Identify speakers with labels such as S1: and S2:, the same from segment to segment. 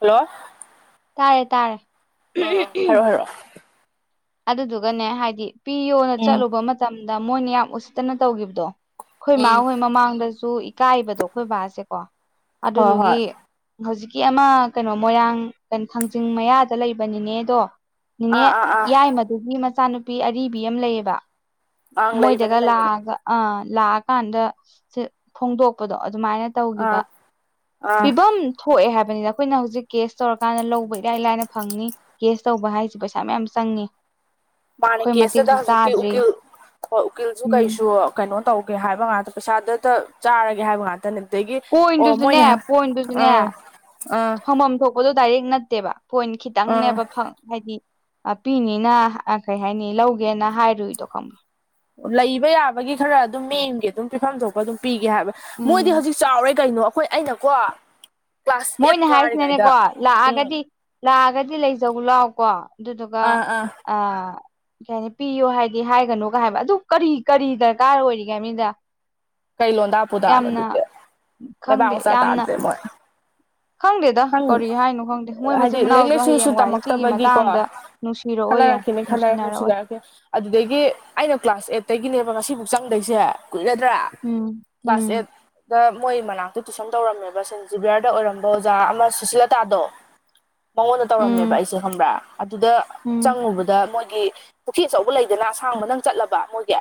S1: Hello
S2: ꯇꯥꯔꯦ ꯇꯥꯔꯦ
S1: ꯎꯝ ꯍꯥꯏꯔꯣ ꯍꯥꯏꯔꯣ
S2: ꯑꯗꯨꯗꯨꯒꯅꯦ ꯍꯥꯏꯗꯤ ꯄꯤꯌꯣꯅ
S1: ꯎꯝ
S2: ꯆꯠꯂꯨꯕ ꯃꯇꯝꯗ ꯃꯣꯏꯅ ꯌꯥꯝ ꯎꯁꯤꯠꯇꯅ ꯇꯧꯒꯤꯕꯗꯣ ꯈꯣꯏ ꯃꯥꯝ
S1: ꯎꯝ
S2: ꯍꯣꯏ ꯃꯃꯥꯡꯗꯁꯨ ꯏꯀꯥꯏꯕꯗꯣ ꯑꯩꯈꯣꯏ ꯕꯥꯁꯦꯀꯣ
S1: ꯍꯣꯏ ꯍꯣꯏ
S2: ꯑꯗꯨꯗꯨꯒꯤ ꯍꯧꯖꯤꯛꯀꯤ ꯑꯃ ꯀꯩꯅꯣ ꯃꯣꯏꯔꯥꯡ ꯀꯣ ꯊꯥꯡꯖꯤꯡ ꯃꯌꯥꯗ ꯂꯩꯕꯅꯤꯅꯦꯗꯣ ꯅꯤꯅꯦ
S1: ꯑꯥ ꯑꯥ ꯑꯥ
S2: ꯒꯤ ꯃꯆꯥꯅꯨꯄꯤ ꯑꯔꯤꯕꯤ ꯑꯃ ꯂꯩꯌꯦꯕ
S1: ꯑꯪ ꯂꯩꯕꯅꯦ
S2: ꯃꯣꯏꯗꯒ
S1: ꯂꯩꯕꯅꯦ
S2: ꯂꯥꯛꯑꯒ ꯑꯥ ꯂꯥꯛꯑꯀꯥꯟꯗ ꯁꯦ ꯐꯣꯡꯗꯣꯛꯄꯗꯣ ꯑꯗꯨꯃꯥꯏꯅ ꯇꯧꯒꯤꯕ
S1: ꯑꯥ ꯑꯥ
S2: ꯄꯤꯕꯝ ꯊꯣꯛꯑꯦ ꯍꯥꯏꯕꯅꯤꯅ ꯑꯩꯈꯣꯏꯅ ꯍꯧꯖꯤꯛ ꯀꯦꯁ ꯇꯧꯔꯀꯥꯟꯗ ꯂꯧꯕ ꯏꯔꯥꯏ ꯂꯥꯏꯅ ꯐꯪꯅꯤ ꯀꯦꯁ ꯇꯧꯕ ꯍꯥꯏꯁꯤ ꯄꯩꯁꯥ ꯃꯌꯥꯝ ꯆꯪꯉꯤ
S1: ꯃꯥꯅꯤ
S2: ꯑꯩꯈꯣꯏ
S1: ꯀꯦꯁꯁꯤꯗ
S2: ꯃꯇꯤꯛꯁꯨ
S1: ꯍꯧꯖꯤꯛꯇꯤ
S2: ꯆꯥꯗ꯭ꯔꯤ
S1: ꯎꯀꯤꯜ ꯍꯣꯏ ꯎꯀꯤꯜꯁꯨ
S2: ꯎꯝ
S1: ꯀꯩꯁꯨ ꯀꯩꯅꯣ ꯇꯧꯒꯦ ꯍꯥꯏꯕ ꯉꯥꯛꯇ ꯄꯩꯁꯥꯗꯇ ꯆꯥꯔꯒꯦ ꯍꯥꯏꯕ ꯉꯥꯛꯇꯅꯦ ꯑꯗꯒꯤ ꯑꯣ
S2: ꯄꯣꯏꯟꯗꯨꯁꯨꯅꯦ
S1: ꯃꯣꯏꯅ
S2: ꯄꯣꯏꯟꯗꯨꯁꯨꯅꯦ
S1: ꯑꯥ ꯑꯥ
S2: ꯐꯪꯐꯝ ꯊꯣꯛ ꯑꯣꯗꯣ ꯗꯥꯏꯔꯦꯛ ꯅꯠꯇꯦꯕ ꯄꯣꯏꯟ
S1: ꯑꯥ
S2: ꯈꯤꯇꯪꯅꯦꯕ ꯐꯪ ꯍꯥꯏꯗꯤ ꯑ ꯄꯤꯅꯤꯅ ꯑꯥ ꯀꯩ ꯍꯥꯏꯅꯤ ꯂꯧꯒꯦꯅ ꯍꯥꯏꯔꯨꯏꯗꯣ ꯈꯪꯕ
S1: ꯂꯩꯕ ꯌꯥꯕꯒꯤ ꯈꯔ ꯑꯗꯨꯝ ꯃꯤ ꯑꯝꯒꯤ ꯑꯗꯨꯝ ꯄꯤꯐꯝ ꯊꯣꯛꯄ ꯑꯗꯨꯝ ꯄꯤꯒꯦ ꯍꯥꯏꯕ ꯃꯣꯏꯗꯤ
S2: ꯎꯝ
S1: ꯍꯧꯖꯤꯛ ꯆꯥꯎꯔꯦ ꯀꯩꯅꯣ ꯑꯩꯈꯣꯏ ꯑꯩꯅꯀꯣ ꯀ꯭ꯂꯥꯁ ꯑꯦꯠ
S2: ꯃꯣꯏꯅ
S1: ꯀꯥꯔꯤꯉꯩꯗ
S2: ꯍꯥꯏꯁꯤꯅꯅꯦꯀꯣ
S1: ꯎꯝ
S2: ꯂꯥꯛꯑꯒꯗꯤ ꯂꯥꯛꯑꯒꯗꯤ ꯂꯩꯖꯧ ꯂꯥꯛꯑꯣꯀꯣ ꯑꯗꯨꯗꯨꯒ
S1: ꯑꯥ ꯑꯥ
S2: ꯑ ꯀꯩ ꯍꯥꯏꯅꯤ ꯄꯤꯌꯣ ꯍꯥꯏꯗꯤ ꯍꯥꯏꯒꯅꯨꯒ ꯍꯥꯏꯕ ꯑꯗꯨ ꯀꯔꯤ ꯀꯔꯤ ꯗꯔꯀꯥꯔ ꯑꯣꯏꯔꯤꯒꯦ ꯍꯥꯏꯝꯅꯤꯗ
S1: ꯀꯩ ꯂꯣꯟꯗꯥ ꯄꯨꯗꯥꯅꯣ
S2: ꯌꯥꯝꯅ
S1: ꯑꯗꯨꯗꯤ ꯂꯩꯕꯥꯛ
S2: ꯈꯪꯗꯦ
S1: ꯃꯆꯥ
S2: ꯌꯥꯝꯅ
S1: ꯇꯥꯗ꯭ꯔꯦ ꯃꯣꯏ
S2: ꯈꯪꯗꯦꯗ
S1: ꯈꯪ
S2: ꯀꯔꯤ ꯍꯥꯏꯅꯣ ꯈꯪꯗꯦ ꯃꯣꯏ ꯃꯆꯤꯟ
S1: ꯍꯥꯏꯗꯤ ꯂꯥꯏꯔꯤꯛ
S2: ꯃꯅꯥꯎꯁꯨ
S1: ꯂꯥꯏꯁꯨꯁꯨ
S2: ꯍꯌꯦꯡ ꯋꯥꯏ ꯁꯤꯒꯤ
S1: ꯇꯝꯃꯛꯇꯕꯒꯤꯀꯣ
S2: ꯃꯇꯥꯡꯗ ꯅꯨꯡꯁꯤꯔꯛꯑꯣꯏ ꯌꯦꯉꯨ ꯅꯨꯡꯁꯤꯅꯔꯛꯑꯣꯏ
S1: ꯑꯣꯀꯦ ꯑꯗꯨꯗꯒꯤ ꯑꯩꯅ ꯀ꯭ꯂꯥꯁ ꯑꯦꯠꯇꯒꯤꯅꯦꯕ ꯉꯁꯤꯐꯥꯎ ꯆꯪꯗꯩꯁꯦ ꯀꯨꯏꯔꯗ꯭ꯔꯥ
S2: ꯎꯝ꯫ ꯎꯝ
S1: ꯀ꯭ꯂꯥꯁ ꯑꯦꯠ ꯗ ꯃꯣꯏ ꯃꯅꯥꯛꯇ ꯇꯨꯏꯁꯟ ꯇꯧꯔꯝꯃꯦꯕ ꯁꯦꯟ ꯖꯤꯕꯤꯌꯔꯗ ꯑꯣꯏꯔꯝꯕ ꯑꯣꯖꯥ ꯑꯃ ꯁꯨꯁꯤꯜꯂꯇꯥꯗꯣ ꯃꯉꯣꯟꯗ ꯇꯧꯔꯝꯃꯦꯕ
S2: ꯎꯝ
S1: ꯑꯩꯁꯦ ꯈꯪꯕ꯭ꯔꯥ ꯑꯗꯨꯗ
S2: ꯎꯝ
S1: ꯆꯪꯉꯨꯕꯗ ꯃꯣꯏꯒꯤ ꯄꯨꯈ꯭ꯔꯤ ꯑꯆꯧꯕ ꯂꯩꯗꯅ ꯑꯁꯥꯡꯕ ꯅꯪ ꯆꯠꯂꯕ ꯃꯣꯏꯒꯤ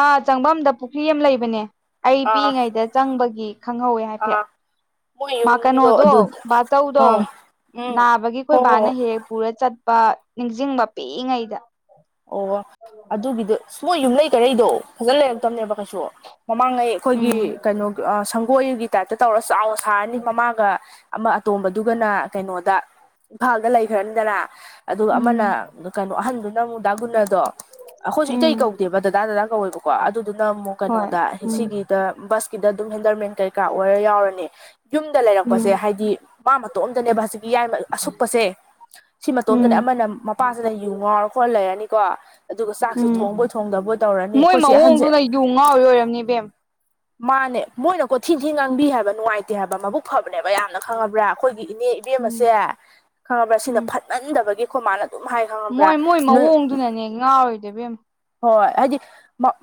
S2: ꯑꯥ ꯆꯪꯐꯝꯗ ꯄꯨꯈ꯭ꯔꯤ ꯑꯃ ꯂꯩꯕꯅꯦ ꯑꯩ
S1: ꯑꯥ
S2: ꯄꯤꯛꯏꯉꯩꯗ ꯆꯪꯕꯒꯤ ꯈꯪꯍꯧꯋꯦ ꯍꯥꯏꯐꯦꯠ
S1: ꯑꯥ ꯃꯣꯏ
S2: ꯃꯥ
S1: ꯌꯨꯝꯒꯤꯗꯣ
S2: ꯀꯩꯅꯣꯗꯣ
S1: ꯑꯗꯨ
S2: ꯕꯥꯆꯧꯗꯣ
S1: ꯑꯥ ꯎꯝ
S2: ꯅꯥꯕꯒꯤ
S1: ꯍꯣ
S2: ꯑꯩꯈꯣꯏ
S1: ꯍꯣ
S2: ꯕꯥꯅ ꯍꯦꯛ ꯍꯦꯛ ꯄꯨꯔ ꯆꯠꯄ ꯅꯤꯡꯁꯤꯡꯕ ꯄꯤꯛꯏꯉꯩꯗ
S1: ꯑꯣ ꯑꯗꯨꯒꯤꯗꯣ ꯁꯨꯝ ꯃꯣꯏ ꯌꯨꯝꯂꯩ ꯀꯔꯩꯗꯣ ꯐꯖꯅꯥ ꯂꯩꯔꯛꯇꯕꯅꯦꯕ ꯀꯩꯁꯨ ꯃꯃꯥꯡꯉꯩ ꯑꯩꯈꯣꯏꯒꯤ
S2: ꯎꯝ
S1: ꯀꯩꯅꯣꯒꯤ ꯁꯪꯒꯣꯏꯒꯤ ꯇꯥꯏꯞꯇ ꯇꯧꯔ ꯆꯥꯎꯅ ꯁꯥꯔꯅꯤ ꯃꯃꯥꯒ ꯑꯃ ꯑꯇꯣꯝꯕꯗꯨꯒꯅ ꯀꯩꯅꯣꯗ ꯏꯝꯐꯥꯜꯗ ꯂꯩꯈ꯭ꯔꯥꯅꯤꯗꯅ ꯑꯗꯨꯒ ꯑꯃꯅ
S2: ꯎꯝ
S1: ꯑ ꯀꯩꯅꯣ ꯑꯍꯥꯟꯗꯨꯅ ꯑꯃꯨꯛ ꯗꯥ ꯒꯨꯟꯅꯗꯣ ꯑꯩꯈꯣꯏꯁꯨ
S2: ꯎꯝ
S1: ꯏꯇꯩ ꯀꯧꯗꯦꯕ ꯗꯗꯥ ꯗꯗꯥ ꯀꯧꯋꯦꯕꯀꯣ ꯑꯗꯨꯗꯨꯅ ꯑꯃꯨꯛ
S2: ꯍꯣꯏ
S1: ꯀꯩꯅꯣꯗ
S2: ꯎꯝ
S1: ꯁꯤꯒꯤ ꯇ ꯕꯁꯀꯤꯗ ꯑꯗꯨꯝ ꯍꯦꯟꯗꯜꯃꯦꯟ ꯀꯩꯀꯥ ꯑꯣꯏꯔ ꯌꯥꯎꯔꯅꯤ ꯌꯨꯝꯗ ꯂꯩꯔꯛꯄꯁꯦ
S2: ꯎꯝ
S1: ꯍꯥꯏꯗꯤ ꯃꯥ ꯃꯇꯣꯝꯇꯅꯦꯕ ꯍꯧꯖꯤꯛꯀꯤ ꯌꯥꯏꯃꯥ ꯑꯁꯨꯛꯄꯁꯦ ꯁꯤ ꯃꯇꯣꯝꯗꯅꯦ
S2: ꯎꯝ
S1: ꯑꯃꯅ ꯃꯄꯥꯁꯤꯅ ꯌꯨ ꯉꯥꯎ ꯍꯣꯟ ꯂꯩꯔꯅꯤꯀꯣ ꯑꯗꯨꯒ ꯆꯥꯛꯁꯦ ꯊꯣꯡꯕꯣꯏ
S2: ꯎꯝ
S1: ꯊꯣꯡꯗꯕꯣꯏ ꯇꯧꯔꯅꯤ
S2: ꯃꯣꯏ
S1: ꯑꯩꯈꯣꯏꯆꯦ ꯑꯍꯥꯟꯁꯦ
S2: ꯃꯑꯣꯡꯗꯨꯅ ꯌꯨ ꯉꯥꯎꯔꯤ ꯑꯣꯏꯔꯝꯅꯤ ꯏꯕꯦꯝ
S1: ꯃꯥꯅꯦ ꯃꯣꯏꯅ ꯀꯣ ꯊꯤꯟ ꯊꯤ ꯉꯥꯡꯕꯤ ꯍꯥꯏꯕ ꯅꯨꯡꯉꯥꯏꯇꯦ ꯍꯥꯏꯕ ꯃꯕꯨꯛ ꯐꯕꯅꯦꯕ ꯌꯥꯝ ꯅ ꯈꯪꯉꯕ꯭ꯔꯥ ꯑꯩꯈꯣꯏꯒꯤ ꯏꯅꯦ
S2: ꯎꯝ
S1: ꯏꯕꯦꯝꯃꯁꯦ ꯈꯪꯉꯕ꯭ꯔꯥ ꯁꯤꯅ
S2: ꯎꯝ
S1: ꯐꯠꯃꯟꯗꯕꯒꯤ ꯈꯣꯏ ꯃꯥꯅ ꯑꯗꯨꯝ ꯍꯥꯏ ꯈꯪꯉꯕ꯭ꯔꯥ
S2: ꯃꯣꯏ ꯃꯣꯏ
S1: ꯅꯣꯏ
S2: ꯃꯑꯣꯡꯗꯨꯅꯅꯦ ꯉꯥꯎꯔꯤꯗꯨ ꯏꯕꯦꯝ
S1: ꯍꯣꯏ ꯍꯥꯏꯗꯤ ꯃꯛ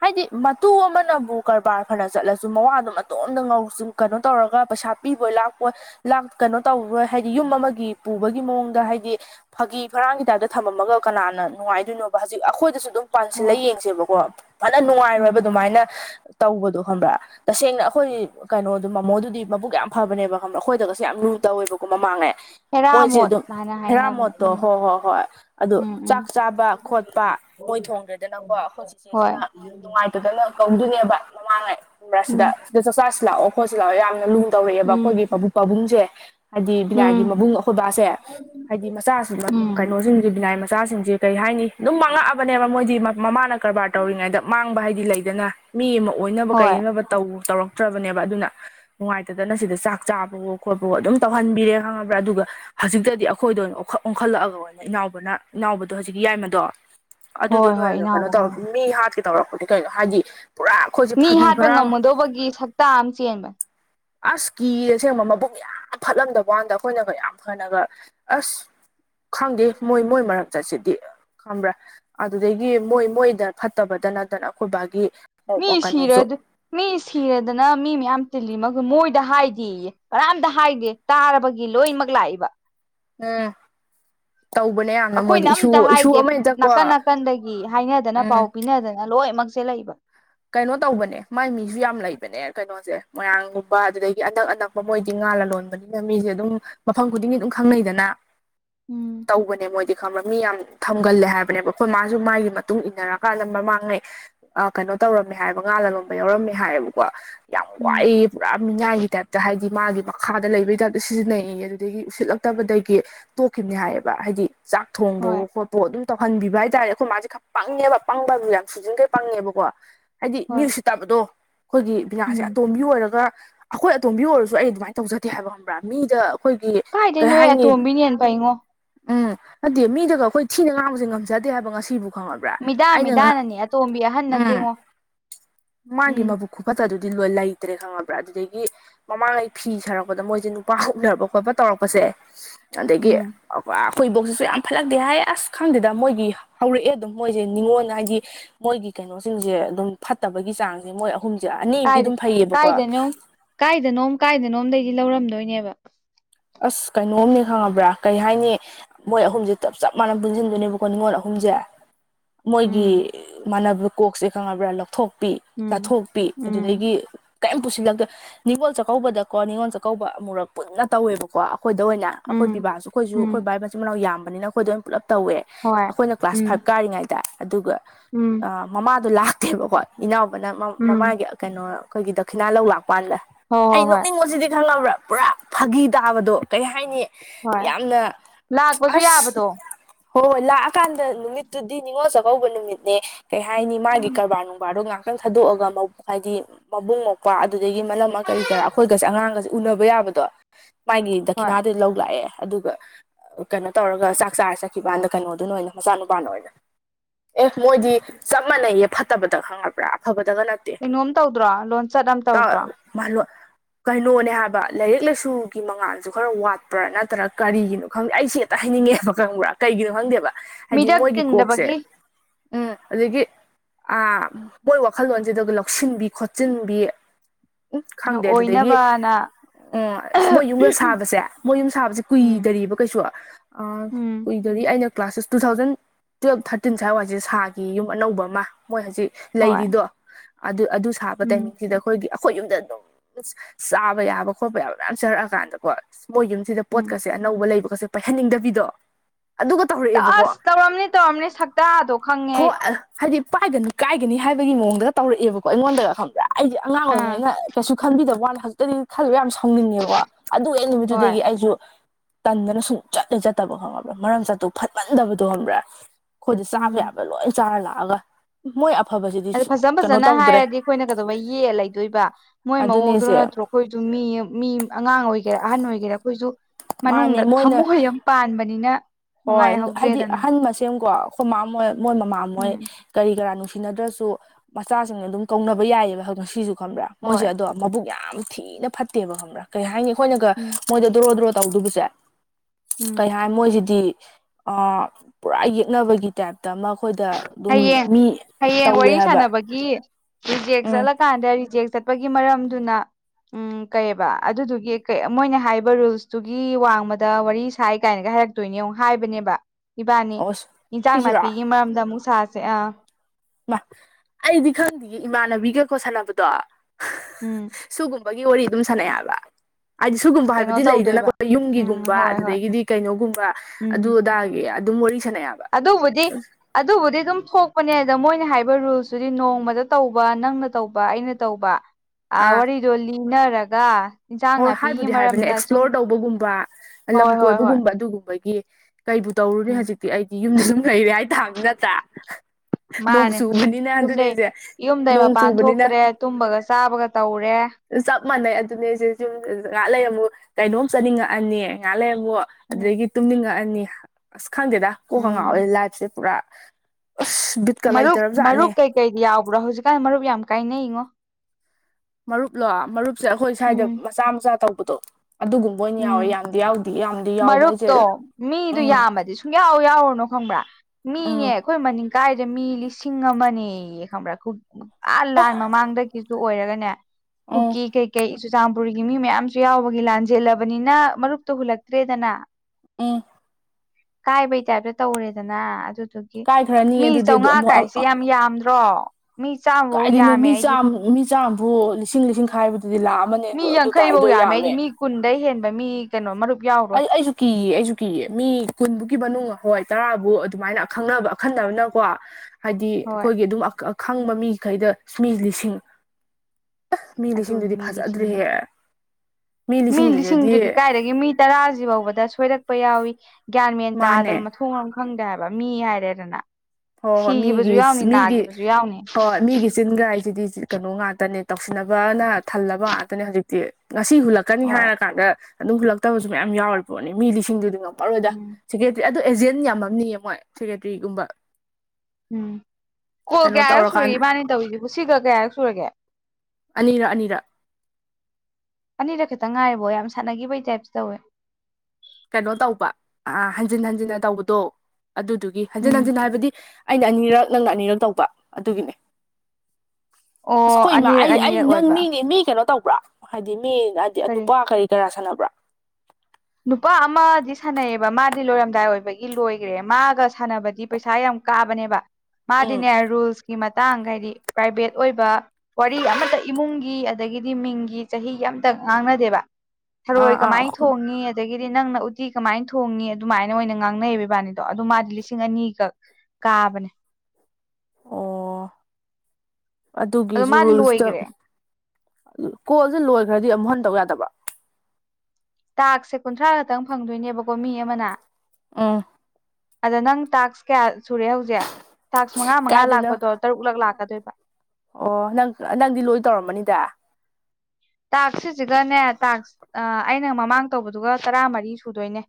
S1: ꯍꯥꯏꯗꯤ ꯃꯇꯨ ꯑꯃꯅꯕꯨ ꯀꯔꯕꯥꯔ ꯐꯅ ꯆꯠꯂꯁꯨ ꯃꯋꯥꯗꯣ ꯃꯇꯣꯝꯗ ꯉꯧꯁꯨ ꯀꯩꯅꯣ ꯇꯧꯔꯒ ꯄꯩꯁꯥ ꯄꯤꯕꯣꯏ ꯂꯥꯛꯄꯣꯏ ꯂꯥꯛ ꯀꯩꯅꯣ ꯇꯧꯔꯣꯏ ꯍꯥꯏꯗꯤ ꯌꯨꯝ ꯑꯃꯒꯤ ꯄꯨꯕꯒꯤ ꯃꯑꯣꯡꯗ ꯍꯥꯏꯗꯤ ꯐꯥꯒꯤ ꯐꯔꯥꯡꯒꯤ ꯇꯥꯏꯞꯇ ꯊꯝꯃꯝꯃꯒ ꯀꯅꯥꯅ ꯅꯨꯡꯉꯥꯏꯗꯣꯏꯅꯣꯕ ꯍꯧꯖꯤꯛ ꯑꯩꯈꯣꯏꯗꯁꯨ ꯑꯗꯨꯝ ꯄꯥꯟꯁꯤꯜꯂ
S2: ꯍꯣꯏ
S1: ꯌꯦꯡꯁꯦꯕꯀꯣ ꯐꯥꯅ ꯅꯨꯡꯉꯥꯏꯔꯣꯏꯕ
S2: ꯎꯝ
S1: ꯑꯗꯨꯃꯥꯏꯅ ꯇꯧꯕꯗꯣ ꯈꯪꯕ꯭ꯔꯥ ꯇꯁꯦꯡꯅ ꯑꯩꯈꯣꯏ ꯀꯩꯅꯣꯗꯨ ꯃꯃꯣꯗꯨꯗꯤ ꯃꯕꯨꯛ ꯌꯥꯝ ꯐꯥꯕꯅꯦꯕ ꯈꯪꯕ꯭ꯔꯥ ꯑꯩꯈꯣꯏꯗꯒꯁꯨ ꯌꯥꯝ ꯂꯨꯅ ꯇꯧꯋꯦꯕꯀꯣ ꯃꯃꯥꯡꯉꯩ ꯃꯣꯏꯁꯦ
S2: ꯍꯦꯔꯥꯃꯣꯠ
S1: ꯑꯗꯨꯝ
S2: ꯍꯥꯏꯅ
S1: ꯍꯦꯔꯥ
S2: ꯍꯥꯏꯅꯕꯅꯦ
S1: ꯃꯣꯠꯇꯣ
S2: ꯎꯝ
S1: ꯍꯣꯏ ꯍꯣꯏ ꯍꯣꯏ ꯑꯗꯨ
S2: ꯎꯝ ꯎꯝ
S1: ꯆꯥꯛ ꯆꯥꯕ ꯈꯣꯠꯄ ꯃꯣꯏ ꯊꯣꯡꯗ꯭ꯔꯦꯗꯅꯀꯣ ꯑꯩꯈꯣꯏ
S2: ꯍꯣꯏ
S1: ꯆꯆꯦꯁꯤꯅ ꯅꯨꯡꯉꯥꯏꯇꯗꯅ ꯀꯧꯗꯣꯏꯅꯦꯕ ꯃꯃꯥꯡꯉꯩ ꯭ꯕ꯭ꯔꯥ ꯁꯤꯗ
S2: ꯎꯝ
S1: ꯁꯤꯗ ꯆꯥꯛꯆꯥꯁꯤ ꯂꯥꯛꯑꯣ ꯈꯣꯠꯁꯤ ꯂꯥꯛꯑꯣ ꯌꯥꯝꯅ ꯂꯨ ꯇꯧꯔꯛꯑꯦꯕ
S2: ꯎꯝ
S1: ꯈꯣꯏꯒꯤ ꯄꯥꯕꯨꯡ ꯄꯥꯕꯨꯡꯁꯦ ꯍꯥꯏꯗꯤ ꯕꯤꯅꯥꯒꯤ
S2: ꯎꯝ
S1: ꯃꯕꯨꯡ ꯑꯈꯣꯏꯕꯥꯁꯦ ꯍꯥꯏꯗꯤ ꯃꯆꯥꯁꯤꯡ
S2: ꯎꯝ
S1: ꯀꯩꯅꯣꯁꯤꯡꯁꯦ ꯕꯤꯅꯥꯏ ꯃꯆꯥꯁꯤꯡꯁꯤ ꯀꯩ ꯍꯥꯏꯅꯤ ꯑꯗꯨꯝ ꯃꯥꯡꯉꯛꯑꯕꯅꯦꯕ ꯃꯣꯏꯗꯤ ꯃꯃꯥꯅ ꯀꯔꯕꯥꯔ ꯇꯧꯔꯤꯉꯩꯗ ꯃꯥꯡꯕ ꯍꯥꯏꯗꯤ ꯂꯩꯗꯅ ꯃꯤ ꯑꯃ ꯑꯣꯏꯅꯕ
S2: ꯍꯣꯏ
S1: ꯀꯩꯅꯕꯧ ꯇꯧ ꯇꯧꯔꯛꯇ꯭ꯔꯕꯅꯦꯕ ꯑꯗꯨꯅ ꯅꯨꯡꯉꯥꯏꯇꯗꯅ ꯁꯤꯗ ꯆꯥꯛ ꯆꯥꯕꯑꯣ ꯈꯣꯠꯄꯋꯣ ꯑꯗꯨꯝ ꯇꯧꯍꯟꯕꯤꯔꯦ ꯈꯪꯉꯕ꯭ꯔꯥ ꯑꯗꯨꯒ ꯍꯧꯖꯤꯛꯇꯗꯤ ꯑꯈꯣꯏꯗ ꯑꯣꯏꯅ ꯑꯣꯟꯈꯠ ꯑꯣꯟꯈꯠꯂꯛꯑꯒ ꯑꯣꯏꯅ ꯏꯅꯥꯎꯕꯅ ꯏꯅꯥꯎꯕꯗꯣ ꯍꯧꯖꯤꯛꯀꯤ ꯌꯥꯏꯃꯗꯣ
S2: ꯍꯣꯏ
S1: ꯑꯗꯨꯗꯨꯟ
S2: ꯍꯣꯏ
S1: ꯑꯣꯏꯅ ꯀꯩꯅꯣ
S2: ꯏꯅꯥꯎꯕ ꯀꯧ
S1: ꯇꯧꯔꯛ ꯃꯤ ꯍꯥꯠꯀꯦ ꯇꯧꯔꯛꯄꯅꯤ ꯀꯩꯅꯣ ꯍꯥꯏꯗꯤ ꯄꯨꯔꯥ ꯑꯩꯈꯣꯏꯁꯦ
S2: ꯃꯤ
S1: ꯐꯥꯒꯤ
S2: ꯍꯥꯠꯄ
S1: ꯐꯔꯥꯡ
S2: ꯉꯝꯃꯨꯗꯧꯕꯒꯤ ꯁꯛꯇ ꯑꯃ ꯆꯦꯟꯕꯅꯦ
S1: ꯑꯁ ꯀꯤꯌꯦ ꯑꯁꯦꯡꯕ ꯃꯕꯨꯛ ꯌꯥꯝ ꯐꯠꯂꯝꯗꯕꯋꯥꯅꯦꯗ ꯑꯈꯣꯏꯅꯒ ꯌꯥꯝ ꯐꯅꯒ ꯑꯁ ꯈꯪꯗꯦ ꯃꯣꯏ ꯃꯣꯏ ꯃꯔꯝꯆꯠꯁꯤꯗꯤ ꯈꯪꯕ꯭ꯔꯥ ꯑꯗꯨꯗꯩꯩꯑꯩ ꯃꯣꯏ ꯃꯣꯏꯗ ꯐꯠꯇꯕꯗ ꯅꯠꯇꯅ ꯑꯈꯣꯏ ꯕꯥꯒꯤ
S2: ꯃꯤ
S1: ꯀꯩꯅꯣꯁꯨ
S2: ꯁꯤꯔꯗ ꯃꯤ ꯁꯤꯔꯗꯅ ꯃꯤ ꯃꯌꯥꯝ ꯇꯤꯜꯂꯤꯃꯛꯇ ꯃꯣꯏꯗ ꯍꯥꯏꯗꯦꯌꯦ ꯀꯅꯥꯝꯇ ꯍꯥꯏꯗꯦ ꯇꯥꯔꯕꯒꯤ ꯂꯣꯏꯃꯛ ꯂꯥꯛꯏꯕ
S1: ꯑꯥ ꯇꯧꯕꯅꯦ ꯌꯥꯝ
S2: ꯑꯈꯣꯏꯅ ꯑꯝꯇ ꯍꯥꯏꯗꯦ ꯅꯥꯀꯟ ꯅꯥꯀꯟꯗꯒꯤ ꯍꯥꯏꯅꯗꯅ
S1: ꯎꯝ
S2: ꯄꯥꯎ ꯄꯤꯅꯗꯅ ꯂꯣꯏꯃꯛ ꯆꯦꯜꯂꯛꯏꯕ
S1: ꯀꯩꯅꯣ ꯇꯧꯕꯅꯦ ꯃꯥꯏ ꯃꯤꯁꯨ ꯌꯥꯝ ꯂꯩꯕꯅꯦ ꯀꯩꯅꯣꯁꯦ ꯃꯣꯏꯔꯥꯡꯒꯨꯝꯕ ꯑꯗꯨꯗꯒꯤ ꯑꯅꯛ ꯑꯅꯛ ꯄ ꯃꯣꯏꯗꯤ ꯉꯥ ꯂꯂꯣꯟꯕꯅꯤꯅ ꯃꯤꯁꯦ ꯗꯨꯝ ꯃꯐꯝ ꯈꯨꯗꯤꯡꯒꯤ ꯑꯗꯨꯝ ꯈꯪꯅꯩꯗꯅ
S2: ꯎꯝ
S1: ꯇꯧꯕꯅꯦ ꯃꯣꯏꯗꯤ ꯈꯪꯕ ꯃꯤ ꯌꯥꯝ ꯊꯝꯒꯜꯂꯦ ꯍꯥꯏꯕꯅꯦꯕ ꯈꯣꯏ ꯃꯥꯁꯨ ꯃꯥꯒꯤ ꯃꯇꯨꯡ ꯏꯟꯅꯔꯀꯥꯟꯗ ꯃꯃꯥꯡꯉꯩ ꯑꯥ ꯀꯩꯅꯣ ꯇꯧꯔꯝꯃꯦ ꯍꯥꯏꯕ ꯉꯥꯜ ꯂꯂꯣꯟꯕ ꯌꯥꯎꯔꯝꯃꯦ ꯍꯥꯏꯌꯦꯕꯀꯣ ꯌꯥꯝ
S2: ꯎꯝ
S1: ꯋꯥꯏꯌꯦ ꯄꯨꯔꯥ ꯃꯤꯅꯥꯏꯒꯤ ꯇꯥꯏꯞꯇ ꯍꯥꯏꯗꯤ ꯃꯥꯒꯤ ꯃꯈꯥꯗ ꯂꯩꯕꯩ ꯇꯥꯏꯞꯇ ꯁꯤꯖꯤꯟꯅꯩꯌꯦ ꯌꯦ ꯑꯗꯨꯗꯒꯤ ꯎꯁꯤꯠꯂꯛꯇꯕꯗꯒꯤ ꯇꯣꯛꯈꯤꯕꯅꯤ ꯍꯥꯏꯌꯦꯕ ꯍꯥꯏꯗꯤ ꯆꯥꯛ
S2: ꯍꯣꯏ
S1: ꯊꯣꯡꯕꯑꯣ ꯈꯣꯠ ꯄꯑꯣ ꯑꯗꯨꯝ ꯇꯧꯍꯟꯕꯤꯕ ꯍꯥꯏꯇꯥꯔꯦ ꯑꯩꯈꯣꯏ ꯃꯥꯁꯦ ꯈꯔ ꯄꯪꯉꯦꯕ ꯄꯪꯕꯕꯨ ꯌꯥꯝ ꯁꯨꯖꯤꯟꯈꯩ ꯄꯪꯉꯦꯕꯀꯣ ꯍꯥꯏꯗꯤ ꯃꯤ
S2: ꯍꯣꯏ
S1: ꯎꯁꯤꯠꯇꯕꯗꯣ ꯈꯣꯏꯒꯤ ꯕꯤꯅꯥꯁꯦ
S2: ꯎꯝ
S1: ꯑꯇꯣꯝꯕꯤ ꯑꯣꯏꯔꯒ ꯑꯈꯣꯏ ꯑꯇꯣꯝꯕꯤ ꯑꯣꯏꯔꯁꯨ ꯑꯩ ꯑꯗꯨꯃꯥꯏ ꯇꯧꯖꯗꯦ ꯍꯥꯏꯕ ꯈꯪꯕ꯭ꯔꯥ ꯃꯤꯗ ꯑꯩꯈꯣꯏꯒꯤ
S2: ꯀꯥꯏꯗꯩ
S1: ꯀꯩ
S2: ꯅꯣꯍꯦ
S1: ꯍꯥꯏꯅꯤ
S2: ꯑꯇꯣꯝꯕꯤꯅ ꯍꯦꯟꯅ ꯐꯩꯉꯣ
S1: ꯎꯝ ꯅꯠꯇꯦ ꯃꯤꯗꯒ ꯑꯩꯈꯣꯏ ꯊꯤꯅ ꯉꯥꯡꯕꯁꯦ ꯉꯝꯖꯗꯦ ꯍꯥꯏꯕ ꯉꯁꯤꯕꯨ ꯈꯪꯉꯕ꯭ꯔꯥ
S2: ꯃꯤꯗꯥ
S1: ꯑꯩꯅꯒ
S2: ꯃꯤꯗꯥꯅꯅꯦ ꯑꯇꯣꯝꯕꯤ ꯑꯍꯟ
S1: ꯎꯝ
S2: ꯅꯠꯇꯦꯉꯣ
S1: ꯃꯥꯒꯤ
S2: ꯎꯝ
S1: ꯃꯕꯨꯛ ꯈꯨꯐꯠꯇꯗꯨꯗꯤ ꯂꯣꯏ ꯂꯩꯇ꯭ꯔꯦ ꯈꯪꯉꯕ꯭ꯔꯥ ꯑꯗꯨꯗꯒꯤ ꯃꯃꯥꯡꯉꯩ ꯐꯤ ꯁꯥꯔꯛꯄꯗ ꯃꯣꯏꯁꯦ ꯅꯨꯄꯥ ꯎꯅꯕ ꯈꯣꯠꯄ ꯇꯧꯔꯛꯄꯁꯦ ꯑꯗꯒꯤ
S2: ꯎꯝ
S1: ꯑꯥ ꯄꯨꯔꯥ ꯑꯩꯈꯣꯏ ꯏꯕꯣꯛꯁꯤꯁꯨ ꯌꯥꯝ ꯐꯠꯂꯛꯇꯦ ꯍꯥꯏ ꯑꯁ ꯈꯪꯗꯦꯗ ꯃꯣꯏꯒꯤ ꯍꯧꯔꯛꯑꯦ ꯑꯗꯨꯝ ꯃꯣꯏꯁꯦ ꯅꯤꯉꯣꯟ ꯍꯥꯏꯗꯤ ꯃꯣꯏꯒꯤ ꯀꯩꯅꯣꯁꯤꯡꯁꯦ ꯑꯗꯨꯝ ꯐꯠꯇꯕꯒꯤ ꯆꯥꯡꯁꯦ ꯃꯣꯏ ꯑꯍꯨꯝꯁꯦ ꯑꯅꯤ ꯑꯝꯗꯤ
S2: ꯀꯥꯏꯗ
S1: ꯑꯗꯨꯝ ꯐꯩꯌꯦꯕꯀꯣ
S2: ꯀꯥꯏꯗꯅꯣꯝ ꯀꯥꯏꯗꯅꯣꯝ ꯀꯥꯏꯗꯅꯣꯝꯗꯩꯗꯤ ꯂꯧꯔꯝꯗꯣꯏꯅꯦꯕ
S1: ꯑꯁ ꯀꯩꯅꯣꯝꯅꯤ ꯈꯪꯉꯕ꯭ꯔꯥ ꯀꯩ ꯍꯥꯏꯅꯤ ꯃꯣꯏ ꯑꯍꯨꯝꯁꯦ ꯆꯞ ꯆꯞ ꯃꯥꯟꯅ ꯄꯨꯟꯁꯤꯟꯗꯣꯏꯅꯦꯕꯀꯣ ꯅꯤꯉꯣꯜ ꯑꯍꯨꯝꯁꯦ
S2: ꯎꯝ
S1: ꯃꯣꯏꯒꯤ ꯃꯥꯟꯅꯕ ꯀꯣꯛꯁꯦ ꯈꯪꯉꯕ꯭ꯔꯥ ꯂꯧꯊꯣꯛꯄꯤ
S2: ꯎꯝ
S1: ꯆꯥꯊꯣꯛꯄꯤ
S2: ꯎꯝ
S1: ꯑꯗꯨꯗꯒꯤ ꯀꯩꯝ ꯄꯨꯁꯤꯜꯂꯛꯇꯦ ꯅꯤꯡꯉꯣꯜ ꯆꯥꯛꯀꯧꯕꯗꯀꯣ ꯅꯤꯡꯉꯣꯜ ꯆꯥꯛꯀꯧꯕ ꯑꯃꯨꯔꯛ ꯄꯨꯟꯅ ꯇꯧꯋꯦꯕꯀꯣ ꯑꯈꯣꯏꯗ ꯑꯣꯏꯅ ꯑꯈꯣꯏ
S2: ꯎꯝ
S1: ꯄꯤꯕꯥꯁꯨ ꯈꯣꯏꯁꯨ
S2: ꯎꯝ
S1: ꯈꯣꯏ ꯕꯥꯏ ꯃꯆꯤꯟ ꯃꯅꯥꯎ ꯌꯥꯝꯕꯅꯤꯅ ꯈꯣꯏꯗ ꯑꯣꯏꯅ ꯄꯨꯂꯞ ꯇꯧꯔꯦ
S2: ꯍꯣꯏ
S1: ꯑꯩꯈꯣꯏꯅ ꯀ꯭ꯂꯥꯁ
S2: ꯎꯝ
S1: ꯐꯥꯏꯚ ꯀꯥꯔꯤꯉꯩꯗ ꯇ ꯑꯗꯨꯒ
S2: ꯎꯝ
S1: ꯑꯥ ꯃꯃꯥꯗꯣ ꯂꯥꯛꯇꯦꯕꯀꯣ ꯏꯅꯥꯎꯕꯅ
S2: ꯎꯝ
S1: ꯃꯃꯥꯒꯤ ꯀꯩꯅꯣ ꯑꯩꯈꯣꯏꯒꯤ ꯗꯈꯤꯅꯥ ꯂꯧ ꯂꯥꯛꯄ꯭ꯋꯥꯅꯤꯗ
S2: ꯍꯣ ꯍꯣ
S1: ꯑꯩ
S2: ꯍꯣꯏ
S1: ꯅꯣꯛꯅꯤꯡꯕꯣꯖꯤꯗꯤ ꯈꯪꯉꯕ꯭ꯔꯥ ꯄꯨꯔꯥ ꯐꯥꯒꯤ ꯇꯥꯕꯗꯣ ꯀꯩ ꯍꯥꯏꯅꯤ
S2: ꯍꯣꯏ
S1: ꯌꯥꯝꯅ
S2: ꯂꯥꯛꯄꯁꯨ
S1: ꯑꯁ
S2: ꯌꯥꯕꯗꯣ
S1: ꯍꯣꯏ ꯂꯥꯛꯑꯀꯥꯟꯗ ꯅꯨꯃꯤꯠꯇꯨꯗꯤ ꯅꯤꯡꯉꯣꯜ ꯆꯥꯛꯀꯧꯕ ꯅꯨꯃꯤꯠꯅꯦ ꯀꯩ ꯍꯥꯏꯅꯤ ꯃꯥꯒꯤ ꯀꯔꯕꯥꯔ ꯅꯨꯡꯕꯥꯔꯗꯣ ꯉꯥꯛ ꯉꯇꯪ ꯊꯥꯗꯣꯛꯑꯒ ꯍꯥꯏꯗꯤ ꯃꯕꯨꯡ ꯃꯧꯄꯨꯌꯥ ꯑꯗꯨꯗꯒꯤ ꯃꯅꯝꯃꯥ ꯀꯔꯤ ꯀꯔꯥ ꯑꯩꯈꯣꯏꯒꯁꯦ ꯑꯉꯥꯡꯒꯁꯦ ꯎꯅꯕ ꯌꯥꯕꯗꯣ ꯃꯥꯥꯒꯤ
S2: ꯍꯣꯏ
S1: ꯗꯈꯤꯅꯥꯗꯨꯗꯤ ꯂꯧ ꯂꯥꯛꯑꯦ ꯑꯗꯨꯒ ꯀꯩꯅꯣ ꯇꯧꯔꯒ ꯆꯥꯛ ꯆꯥꯔ ꯆꯠꯈꯤꯕꯥꯟꯗ ꯀꯩꯅꯣꯗꯨꯅ ꯑꯣꯏꯅ ꯃꯆꯥ ꯅꯨꯨꯄꯥꯅ ꯑꯣꯏꯅ ꯑꯦ ꯃꯣꯏꯗꯤ ꯆꯞ ꯃꯥꯟꯅꯩꯌꯦ ꯐꯠꯇꯕꯗ ꯈꯪꯉꯕ꯭ꯔꯥ ꯑꯐꯕꯗꯒ ꯅꯠꯇꯦ
S2: ꯀꯩꯅꯣꯝ ꯇꯧꯗ꯭ꯔꯣ ꯂꯣꯟꯆꯠ ꯑꯃ ꯇꯧꯗ꯭ꯔꯣ
S1: ꯑꯩꯃꯥ ꯀꯩꯅꯣꯅꯦ ꯍꯥꯏꯕ ꯂꯥꯏꯔꯤꯛ ꯂꯥꯏꯁꯨ ꯁꯨꯒꯤ ꯃꯉꯥꯟꯖꯨ ꯈꯔ ꯋꯥꯠꯄ꯭ꯔꯥ ꯅꯠꯇ꯭ꯔꯒ ꯀꯔꯤꯒꯤꯅꯣ ꯈꯪꯗꯦ ꯑꯩꯁꯤ ꯍꯦꯛꯇ ꯍꯥꯏꯅꯤꯡꯉꯛꯑꯦꯕ ꯈꯪꯕ꯭ꯔꯥ ꯀꯩꯒꯤꯅꯣ ꯈꯪꯗꯦꯕ ꯍꯥꯏꯗꯤ
S2: ꯃꯤꯔꯛ
S1: ꯃꯣꯏꯒꯤ ꯀꯣꯛꯁꯦ
S2: ꯇꯤꯟꯗꯕꯒꯤ
S1: ꯎꯝ ꯑꯗꯒꯤ ꯑꯥ ꯃꯣꯏ ꯋꯥꯈꯜꯂꯣꯟꯖꯤꯗꯒ ꯂꯧꯁꯤꯟꯕꯤ ꯈꯣꯠꯆꯤꯟꯕꯤ ꯎꯝ ꯈꯪꯗꯦ ꯑꯗꯨꯗꯒꯤ
S2: ꯑꯣꯏꯅꯕꯅ
S1: ꯎꯝ ꯃꯣꯏ ꯌꯨꯝꯒ ꯁꯥꯕꯁꯦ ꯃꯣꯏ ꯌꯨꯝ ꯁꯥꯕꯁꯦ
S2: ꯎꯝ
S1: ꯀꯨꯏꯗ꯭ꯔꯤꯕ ꯀꯩꯁꯨ ꯑꯥ
S2: ꯎꯝ
S1: ꯑꯗꯒꯤ ꯑꯩꯅ class six two thousand twelve thirteen ꯁ꯭ꯋꯥꯏ ꯋꯥꯏꯖꯤ ꯁꯥꯒꯤ ꯌꯨꯝ ꯑꯅꯧꯕ ꯑꯃ ꯃꯣꯏ ꯍꯧꯖꯤꯛ
S2: ꯍꯣꯏ
S1: ꯂꯩꯔꯤꯗꯣ ꯑꯗꯨ ꯑꯗꯨ ꯁꯥꯕ
S2: ꯎꯝ
S1: ꯇꯥꯏꯃꯤꯡꯖꯤꯗ ꯑꯩꯈꯣꯏꯒꯤ ꯑꯩꯈꯣꯏ ꯌꯨꯝꯗ ꯑꯗꯨꯝ ꯆꯥꯕ ꯌꯥꯕ ꯈꯣꯠꯄ ꯌꯥꯕ ꯃꯌꯥꯝ ꯆꯥꯔꯛꯑꯀꯥꯟꯗꯀꯣ ꯃꯣꯏ ꯌꯨꯝ ꯃꯁꯤꯗ
S2: ꯎꯝ
S1: ꯄꯣꯠꯀꯁꯦ ꯑꯅꯧꯕ ꯂꯩꯕꯒꯁꯦ ꯄꯥꯏꯍꯟꯅꯤꯡꯗꯕꯤꯗꯣ ꯑꯗꯨꯒ ꯇꯧꯔꯛꯑꯦꯕꯀꯣ
S2: ꯑꯁ ꯇꯧꯔꯝꯅꯤ ꯇꯧꯔꯝꯅꯤ ꯁꯛꯇꯥꯗꯣ ꯈꯪꯉꯦ ꯑꯩ
S1: ꯍꯣꯢ ꯍꯥꯏꯗꯤ ꯄꯥꯏꯒꯅꯨ ꯀꯥꯏꯒꯅꯤ ꯍꯥꯏꯕꯒꯤ ꯃꯑꯣꯡꯗꯒ ꯇꯧꯔꯛꯑꯦꯕꯀꯣ ꯑꯩꯉꯣꯟꯗꯒ ꯈꯪꯕ꯭ꯔꯥ ꯑꯩꯖꯦ ꯑꯉꯥꯡ
S2: ꯑꯥ
S1: ꯑꯣꯏꯔꯤꯉꯩꯅ ꯀꯩꯁꯨ ꯈꯟꯕꯤꯗꯕ ꯋꯥꯅꯦ ꯍꯧꯖꯤꯛꯇꯗꯤ ꯈꯜꯂꯨꯔ ꯌꯥꯝ ꯁꯥꯎ ꯁꯧꯅꯤꯡꯉꯦꯀꯣ ꯑꯗꯨ ꯍꯦꯛ
S2: ꯍꯣꯏ
S1: ꯅꯨꯃꯤꯠꯇꯨꯗꯒꯤ ꯑꯩꯖꯨ ꯇꯟꯗꯅ ꯁꯨꯡꯆꯠꯍꯦꯛ ꯆꯠꯇꯕ ꯈꯪꯉꯕ꯭ꯔꯥ ꯃꯔꯝꯆꯠꯇꯣ ꯐꯠꯃꯟꯗꯕꯗꯣ ꯈꯪꯕ꯭ꯔꯥ ꯑꯩꯈꯣꯏꯗ ꯆꯥꯕ
S2: ꯎꯝ
S1: ꯌꯥꯕ ꯂꯣꯏ ꯆꯥꯔ ꯂꯥꯛꯑꯒ ꯃꯣꯏ ꯑꯐꯕꯖꯤ
S2: ꯑꯗꯨ ꯐꯖꯅ ꯐꯖꯅ ꯍꯥꯏꯔꯗꯤ ꯑꯩꯈꯣꯏꯅ ꯀꯩꯗꯧꯕꯩ ꯌꯦꯛꯑ ꯂꯩꯗꯣꯏꯕ ꯃꯣꯏ ꯃꯋꯣꯡꯗꯨꯅ
S1: ꯑꯗꯨꯅꯦꯁꯦ
S2: ꯅꯠꯇ꯭ꯔꯣ ꯑꯩꯈꯣꯏꯖꯨ ꯃꯤ ꯃꯤ ꯑꯉꯥꯡ ꯑꯣꯏꯒꯦꯔꯥ ꯑꯍꯟ ꯑꯣꯏꯒꯦꯔꯥ ꯑꯩꯈꯣꯏꯖꯨ
S1: ꯃꯥꯅꯦ
S2: ꯃꯅꯨꯡꯗ
S1: ꯃꯣꯏꯅ
S2: ꯊꯝꯃꯣꯏ ꯑꯃ ꯄꯥꯟꯕꯅꯤꯅ
S1: ꯍꯣꯏ ꯍꯥꯏꯗꯤ
S2: ꯅꯨꯡꯉꯥꯏꯍꯧꯗ꯭ꯔꯦꯗꯅ
S1: ꯑꯍꯟ ꯃꯁꯦꯟꯀꯣ ꯑꯈꯣꯏꯃ ꯃꯣꯏ ꯃꯣꯏ ꯃꯃꯥ ꯃꯣꯏ
S2: ꯎꯝ
S1: ꯀꯔꯤ ꯀꯔꯥ ꯅꯨꯡꯁꯤꯅꯗ꯭ꯔꯁꯨ ꯃꯆꯥꯁꯤꯡ ꯑꯗꯨꯝ ꯀꯧꯅꯕ ꯌꯥꯏꯌꯦꯕ ꯉꯁꯤꯁꯨ ꯈꯪꯕ꯭ꯔꯥ ꯃꯣꯏꯁꯦ
S2: ꯍꯣꯏ
S1: ꯑꯗꯣ ꯃꯕꯨꯛ ꯌꯥꯝ ꯊꯤꯅ ꯐꯠꯇꯦꯕ ꯈꯪꯕ꯭ꯔꯥ ꯀꯩ ꯍꯥꯏꯅꯤ ꯑꯩꯈꯣꯏꯅꯒ
S2: ꯎꯝ
S1: ꯃꯣꯏꯗ ꯗ꯭ꯔꯣ ꯗ꯭ꯔꯣ ꯇꯧꯗꯨꯕꯖꯦ
S2: ꯎꯝ
S1: ꯀꯩ ꯍꯥꯏꯅꯤ ꯃꯣꯏꯖꯤꯗꯤ ꯑꯥ ꯄꯨꯔꯥ ꯌꯦꯛꯅꯕꯒꯤ ꯇꯥꯏꯞ [unintelligible] ꯑꯩꯈꯣꯏꯗ ꯑꯗꯨꯝ
S2: ꯍꯌꯦꯡ
S1: ꯃꯤ
S2: ꯍꯌꯦꯡ
S1: ꯇꯧꯋꯦ
S2: ꯋꯥꯔꯤ
S1: ꯍꯥꯏꯕ
S2: ꯁꯥꯟꯅꯕꯒꯤ ꯔꯤꯖꯦꯛ
S1: ꯎꯝ
S2: ꯆꯠꯂꯀꯥꯟꯗ ꯔꯤꯖꯦꯛ ꯆꯠꯄꯒꯤ ꯃꯔꯝꯗꯨꯅ ꯎꯝ ꯀꯩꯌꯦꯕ ꯑꯗꯨꯗꯨꯒꯤ ꯀꯩ ꯃꯣꯏꯅ ꯍꯥꯏꯕ ꯔꯨꯜꯁꯇꯨꯒꯤ ꯋꯥꯡꯃꯗ ꯋꯥꯔꯤ ꯁꯥꯏ ꯀꯥꯏꯅꯒ ꯍꯥꯏꯔꯛ ꯇꯣꯏꯅꯦꯌꯦꯉꯣ ꯍꯥꯏꯕꯅꯦꯕ ꯏꯕꯥꯅꯤ
S1: ꯑꯣ
S2: ꯏꯟꯖꯥꯡ
S1: ꯁꯤꯁꯤꯔꯣ
S2: ꯅꯥꯄꯤꯒꯤ ꯃꯔꯝꯗ ꯑꯃꯨꯛ ꯁꯥꯁꯦ ꯑꯥ
S1: ꯑꯩꯃꯥ ꯑꯩꯗꯤ ꯈꯪꯗꯦ ꯏꯃꯥꯟꯅꯕꯤꯒꯀꯣ ꯁꯥꯟꯅꯕꯗꯣ
S2: ꯎꯝ
S1: ꯁꯨꯒꯨꯝꯕꯒꯤ ꯋꯥꯔꯤ ꯑꯗꯨꯝ ꯁꯥꯟꯅꯩ ꯍꯥꯏꯕ ꯍꯥꯏꯗꯤ ꯁꯨꯒꯨꯝꯕ
S2: ꯀꯩꯅꯣ
S1: ꯍꯥꯏꯕꯗꯤ ꯂꯩꯗꯅꯀꯣ
S2: ꯇꯧꯗꯣꯏꯕ ꯎꯝ
S1: ꯌꯨꯝꯒꯤꯒꯨꯝꯕ
S2: ꯍꯣꯏ ꯍꯣꯏ
S1: ꯑꯗꯒꯤꯗꯤ ꯀꯩꯅꯣꯒꯨꯝꯕ ꯑꯗꯨ
S2: ꯎꯝ
S1: ꯑꯗꯥꯒꯤ ꯑꯗꯨꯝ ꯋꯥꯔꯤ ꯁꯥꯟꯅꯩꯕ
S2: ꯑꯗꯨꯕꯨꯗꯤ ꯑꯗꯨꯕꯨꯗꯤ ꯑꯗꯨꯝ ꯊꯣꯛꯄꯅꯦ ꯑꯗ ꯃꯣꯏꯅ ꯍꯥꯏꯕ ꯔꯨꯜꯇꯨꯗꯤ ꯅꯣꯡꯃꯗ ꯇꯧꯕ ꯅꯪꯅ ꯇꯧꯕ ꯑꯩꯅ ꯇꯧꯕ ꯑꯥ ꯋꯥꯔꯤꯗꯣ ꯂꯤꯅꯔꯒ ꯏꯟꯁꯥꯡ
S1: ꯍꯣꯏ
S2: ꯅꯥꯄꯤꯒꯤ
S1: ꯍꯥꯏꯕꯨꯗꯤ ꯍꯥꯏꯕꯅꯦ
S2: ꯃꯔꯝꯗ ꯁꯨꯝ
S1: ꯑꯦꯛꯁꯄ꯭ꯂꯣꯔ ꯇꯧꯕꯒꯨꯝꯕ ꯂꯝ
S2: ꯍꯣꯏ ꯍꯣꯏ ꯍꯣꯏ
S1: ꯀꯣꯏꯕꯒꯨꯝꯕ ꯑꯗꯨꯒꯨꯝꯕꯒꯤ ꯀꯩꯕꯨ ꯇꯧꯔꯨꯅꯤ
S2: ꯎꯝ
S1: ꯍꯧꯖꯤꯛꯇꯤ ꯑꯩꯗꯤ ꯌꯨꯝꯗ ꯁꯨꯝ ꯂꯩꯩꯔꯦ ꯍꯥꯏ ꯇꯥꯝꯅꯤ ꯅꯠꯇ꯭ꯔꯥ ꯅꯣꯡ
S2: ꯃꯥꯅꯦ
S1: ꯆꯨꯕꯅꯤꯅ ꯑꯗꯨꯅꯦ
S2: ꯌꯨꯝꯗꯩ
S1: ꯑꯩꯁꯦ
S2: ꯌꯨꯝꯗꯩ
S1: ꯅꯣꯡ
S2: ꯃꯄꯥꯟ
S1: ꯆꯨꯕꯅꯤꯅ
S2: ꯊꯣꯛꯇ꯭ꯔꯦ ꯇꯨꯝꯕꯒ ꯆꯥꯕꯒ ꯇꯧꯔꯦ
S1: ꯆꯞ ꯃꯥꯟꯅꯩ ꯑꯗꯨꯅꯦꯖꯦ ꯌꯨꯝ [unintelligible] ꯉꯥꯛ ꯂꯩꯔ ꯑꯃꯨꯛ ꯀꯩꯅꯣꯝ ꯆꯠꯅꯤꯡꯉꯛꯑꯅꯤ ꯉꯥꯛ ꯂꯩꯔꯑꯃꯨꯛ
S2: ꯎꯝ
S1: ꯑꯗꯨꯗꯒꯤ ꯇꯨꯝꯅꯤꯡꯉꯛꯑꯅꯤ ꯑꯁ ꯈꯪꯗꯦꯗ ꯀꯣꯛꯀꯥ ꯉꯥꯎꯋꯦ
S2: ꯎꯝ
S1: ꯂꯥꯏꯐꯁꯦ ꯄꯨꯔꯥ ꯑꯁ ꯕꯤꯠ
S2: ꯃꯔꯨꯞ ꯃꯔꯨꯞ ꯀꯩꯀꯩꯗꯤ ꯌꯥꯎꯕ꯭ꯔꯣ ꯍꯧꯖꯤꯛꯀꯥꯟ ꯃꯔꯨꯞ ꯌꯥꯝ ꯀꯥꯏꯅꯩꯉꯣ
S1: ꯃꯔꯨꯞꯂꯣ ꯃꯔꯨꯞꯁꯦ ꯑꯈꯣꯏ ꯁ꯭ꯋꯥꯏꯗ
S2: ꯎꯝ
S1: ꯃꯆꯥ ꯃꯆꯥ ꯇꯧꯕꯗꯣ ꯑꯗꯨꯒꯨꯝꯕ ꯑꯣꯏꯅ ꯌꯥꯎꯋꯦ
S2: ꯎꯝ
S1: ꯌꯥꯝꯗꯤ ꯌꯥꯎ ꯌꯥꯝ
S2: ꯃꯔꯨꯞꯇꯣ ꯃꯤꯗꯣ ꯌꯥꯝꯃꯗꯤ ꯁꯨꯡꯌꯥꯎ ꯌꯥꯎꯔꯨꯅꯨ ꯈꯪꯕ꯭ꯔꯥ ꯃꯤꯅꯦ
S1: ꯎꯝ
S2: ꯑꯈꯣꯏ ꯃꯅꯤꯡ ꯀꯥꯏꯗ ꯃꯤ ꯂꯤꯁꯤꯡ ꯑꯃꯅꯦꯌꯦ ꯈꯪꯕ꯭ꯔꯥ ꯈꯨ ꯑꯥ ꯂꯥꯟ ꯃꯃꯥꯡꯗꯒꯤꯁꯨ ꯑꯣꯏꯔꯒꯅꯦ
S1: ꯎꯝ
S2: ꯀꯨꯀꯤ ꯀꯩꯀꯩ ꯆꯨꯔꯆꯥꯟꯄꯨꯔꯒꯤ ꯃꯤ ꯃꯌꯥꯝꯖꯨ ꯌꯥꯎꯕꯒꯤ ꯂꯥꯟꯖꯦꯜꯂꯕꯅꯤꯅ ꯃꯔꯨꯞꯇꯣ ꯍꯨꯜꯂꯛ ꯇ꯭ꯔꯦꯗꯅ
S1: ꯎꯝ
S2: ꯀꯥꯏꯕꯩ ꯇꯥꯏꯞꯇ ꯇꯧꯔꯦꯗꯅ ꯑꯗꯨꯗꯨ
S1: ꯀꯥꯏꯈ꯭ꯔꯅꯤ
S2: ꯃꯤ
S1: ꯑꯗꯨꯗꯤ ꯑꯗꯨ
S2: ꯆꯧꯉꯥ
S1: ꯑꯃꯨꯛ
S2: ꯀꯥꯏꯁꯦ ꯌꯥꯝ ꯌꯥꯝꯗ꯭ꯔꯣ ꯃꯤ ꯆꯥꯝꯕꯥꯎ
S1: ꯀꯥꯏꯗꯅꯣ
S2: ꯌꯥꯝꯃꯦ
S1: ꯃꯤ
S2: ꯑꯩꯗꯤ
S1: ꯆꯥꯝ ꯃꯤ ꯆꯥꯝꯕꯨ ꯂꯤꯁꯤꯡ ꯂꯤꯁꯤꯡ ꯈꯥꯏꯕꯗꯨꯗꯤ ꯂꯥꯛꯑꯃꯅꯦ
S2: ꯃꯤ
S1: ꯑꯗꯣ ꯑꯗꯨ
S2: ꯌꯥꯡꯈꯩꯐꯧ
S1: ꯇꯥꯏꯗꯣꯏ
S2: ꯑꯩꯗꯤ
S1: ꯌꯥꯝꯃꯦ
S2: ꯃꯤ ꯀꯨꯟꯗꯩ ꯍꯦꯟꯕ ꯃꯤ ꯀꯩꯅꯣ ꯃꯔꯨꯞ ꯌꯥꯎꯔꯣꯏ
S1: ꯀꯤ ꯑꯩꯖꯨ ꯀꯤꯌꯦ ꯃꯤ ꯀꯨꯟꯕꯨꯛꯒꯤ ꯃꯅꯨꯡꯗ ꯍꯣꯏ ꯇꯔꯥꯕꯨ ꯑꯗꯨꯃꯥꯏꯅ ꯈꯪꯅꯕ ꯑꯈꯟꯅꯕꯅꯀꯣ ꯍꯥꯏꯗꯤ
S2: ꯍꯣꯏ
S1: ꯑꯈꯣꯏꯒꯤ ꯑꯗꯨꯝ ꯑꯈꯪꯕ ꯃꯤꯈꯩꯗ ꯃꯤ ꯂꯤꯁꯤꯡ ꯃꯤ
S2: ꯑꯗꯨꯅꯤ
S1: ꯂꯤꯁꯤꯡꯗꯨꯗꯤ
S2: ꯃꯤ ꯂꯤꯁꯤꯡꯅꯤ
S1: ꯐꯖꯗ꯭ꯔꯦꯍꯦ
S2: ꯃꯤ ꯂꯤꯁꯤꯡꯗꯨꯗꯤ ꯀꯥꯏꯗꯒꯤ ꯃꯤ ꯇꯔꯥꯖꯤ ꯕꯥꯎꯕꯗ ꯁꯣꯏꯔꯛꯄ ꯌꯥꯎꯏ ꯒ꯭ꯌꯥꯟ ꯃꯦꯟ ꯇꯥꯗꯕ
S1: ꯃꯥꯅꯦ
S2: ꯃꯊꯣ ꯊꯣꯡ ꯃꯔꯝ ꯈꯪꯗꯦ ꯍꯥꯏꯕ ꯃꯤ ꯍꯥꯏꯔꯦꯗꯅ
S1: ꯍꯣꯏ ꯍꯣꯏ
S2: ꯁꯤꯈꯤꯕꯁꯨ
S1: ꯃꯤꯒꯤ ꯁꯤ
S2: ꯌꯥꯎꯅꯤ
S1: ꯃꯤꯒꯤ
S2: ꯅꯥꯈꯤꯕꯁꯨ ꯌꯥꯎꯅꯤ
S1: ꯍꯣꯏ ꯃꯤꯒꯤ ꯆꯤꯟꯒ ꯍꯥꯏꯖꯤꯗꯤ ꯆꯤ ꯀꯩꯅꯣ ꯉꯥꯛꯇꯅꯦ ꯇꯧꯁꯤꯟꯅꯕꯅ ꯊꯜꯂꯕ ꯉꯥꯛꯇꯅꯦ ꯍꯧꯖꯤꯛꯇꯤ ꯉꯁꯤ ꯍꯨꯜꯂꯛ ꯀꯅꯤ
S2: ꯍꯣꯏ
S1: ꯍꯥꯏꯔ ꯀꯥꯟꯗ ꯑꯗꯨꯝ ꯍꯨꯜꯂꯛꯇꯕꯁꯨ ꯃꯌꯥꯝ ꯌꯥꯎꯔꯤ ꯄꯣꯠꯅꯤ ꯃꯤ ꯂꯤꯁꯤꯡꯗꯨꯗꯤ ꯉꯝꯃꯔꯣꯏꯗ
S2: ꯎꯝ
S1: ꯁꯦꯀ꯭ꯔꯦꯇ꯭ꯔꯤ ꯑꯗꯨ ꯑꯦꯖꯦꯟ ꯌꯥꯝꯃꯝꯅꯤ ꯃꯣꯏ ꯁꯦꯀ꯭ꯔꯦꯇ꯭ꯔꯤꯒꯨꯝꯕ
S2: ꯎꯝ ꯀꯣꯜ
S1: ꯀꯩꯅꯣ
S2: ꯀꯌꯥꯔꯛ ꯁꯨꯔꯒꯦ
S1: ꯇꯧꯔꯀꯥꯟ
S2: ꯏꯕꯥꯅꯤ ꯇꯧꯔꯤꯖꯤꯕꯨ ꯁꯤꯒ ꯀꯌꯥꯔꯛ ꯁꯨꯔꯒꯦ
S1: ꯑꯅꯤꯔꯛ ꯑꯅꯤꯔꯛ
S2: ꯑꯅꯤꯔꯛ ꯈꯤꯇꯪ ꯉꯥꯏꯔꯤꯕꯣ ꯌꯥꯝ ꯁꯥꯟꯅꯒꯤꯕꯩ ꯇꯥꯏꯞꯇ ꯇꯧꯋꯦ
S1: ꯀꯩꯅꯣ ꯇꯧꯕ ꯑꯥ ꯍꯟꯖꯤꯟ ꯍꯟꯖꯤꯟꯅ ꯇꯧꯕꯗꯣ ꯑꯗꯨꯗꯨꯒꯤ ꯍꯟꯖꯤꯟ
S2: ꯎꯝ
S1: ꯍꯟꯖꯤꯟ ꯍꯥꯏꯕꯗꯤ ꯑꯩꯅ ꯑꯅꯤꯔꯛ ꯅꯪꯅ ꯑꯅꯤꯔꯛ ꯇꯧꯕ ꯑꯗꯨꯒꯤꯅꯦ ꯑꯁ
S2: ꯑꯣ
S1: ꯈꯣꯏ ꯃꯥ
S2: ꯑꯅꯤꯔꯛ
S1: ꯑꯩ ꯑꯩ
S2: ꯑꯅꯤꯔꯛ
S1: ꯅꯪ
S2: ꯑꯣꯏꯕ
S1: ꯃꯤꯅꯦ ꯃꯤ ꯀꯩꯅꯣ ꯇꯧꯕ꯭ꯔꯣ ꯍꯥꯏꯗꯤ ꯃꯤ ꯍꯥꯏꯗꯤ ꯅꯨꯄꯥ ꯀꯔꯤ ꯀꯔꯥ ꯁꯥꯟꯅꯕ꯭ꯔꯥ
S2: ꯅꯨꯄꯥ ꯑꯃꯗꯤ ꯁꯥꯟꯅꯩꯌꯦꯕ ꯃꯥꯗꯤ ꯂꯣꯏꯔꯝꯗꯥꯏ ꯑꯣꯏꯕꯒꯤ ꯂꯣꯏꯒ꯭ꯔꯦ ꯃꯥꯒ ꯁꯥꯟꯅꯕꯗꯤ ꯄꯩꯁꯥ ꯌꯥꯝ ꯀꯥꯕꯅꯦꯕ
S1: ꯎꯝ
S2: ꯃꯥꯗꯤꯅꯦ ꯔꯨꯜꯁꯀꯤ ꯃꯇꯥꯡ ꯍꯥꯏꯗꯤ ꯄ꯭ꯔꯥꯏꯚꯦꯠ ꯑꯣꯏꯕ ꯋꯥꯔꯤ ꯑꯃꯇ ꯏꯃꯨꯡꯒꯤ ꯑꯗꯒꯤꯗꯤ ꯃꯤꯡꯒꯤ ꯆꯍꯤ ꯑꯃꯇ ꯉꯥꯡꯅꯗꯦꯕ
S1: ꯑꯥ
S2: ꯊꯔꯣꯏ
S1: ꯑꯥ
S2: ꯀꯃꯥꯏꯟ ꯊꯣꯡꯉꯤ ꯑꯗꯒꯤꯗꯤ ꯅꯪꯅ ꯎꯇꯤ ꯀꯃꯥꯏꯟ ꯊꯣꯡꯉꯤ ꯑꯗꯨꯃꯥꯏꯅ ꯑꯣꯏꯅ ꯉꯥꯡꯅꯩꯕ ꯏꯕꯥꯅꯤꯗꯣ ꯑꯗꯨ ꯃꯥꯗꯤ ꯂꯤꯁꯤꯡ ꯑꯅꯤꯒ ꯀꯥꯕꯅꯦ
S1: ꯑꯣ
S2: ꯑꯗꯣ
S1: ꯑꯗꯨꯒꯤꯖꯨ
S2: ꯃꯥ
S1: ꯔꯨꯜꯁꯇ
S2: ꯂꯣꯏꯈ꯭ꯔꯦ
S1: ꯀꯣꯜꯖꯦ ꯂꯣꯏꯒ꯭ꯔꯗꯤ ꯑꯃꯨꯛ ꯍꯟ ꯇꯧ ꯌꯥꯗꯕ꯭ꯔꯣ
S2: ꯇꯥꯛꯁꯦ ꯀꯨꯟꯊ꯭ꯔꯥ ꯈꯛꯇꯪ ꯐꯪꯗꯨꯏꯅꯦꯕꯀꯣ ꯃꯤ ꯑꯃꯅ
S1: ꯎꯝ
S2: ꯑꯗ ꯅꯪ ꯇꯥꯛꯁ ꯀꯌꯥ ꯁꯨꯔꯦ ꯍꯧꯖꯤꯛ ꯇꯥꯛꯁ ꯃꯉꯥ ꯃꯉꯥ
S1: ꯀꯥꯏꯗꯅꯣ
S2: ꯂꯥꯛꯄꯗꯣ ꯇꯔꯨꯛꯂꯛ ꯂꯥꯛꯀꯗꯨꯏꯕ
S1: ꯑꯣ ꯅꯪ ꯅꯪꯗꯤ ꯂꯣꯏ ꯇꯧꯔꯝꯃꯅꯤꯗ
S2: ꯇꯥꯛ ꯁꯤꯁꯤꯒꯅꯦ ꯇꯥꯛ ꯑꯩꯅ ꯃꯃꯥꯡ ꯇꯧꯕꯗꯨꯒ ꯇꯔꯥꯃꯔꯤ ꯁꯨꯗꯣꯏꯅꯦ